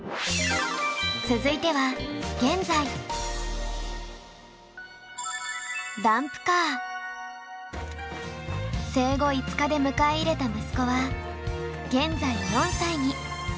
続いては生後５日で迎え入れた息子は現在４歳に。